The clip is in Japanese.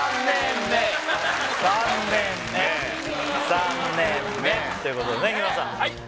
３年目！ということでね日村さん３年目！